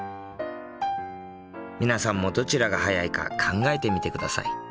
皆さんもどちらが速いか考えてみてください。